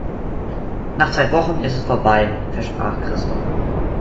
"Nach zwei Wochen ist es vorbei", versprach Christoph.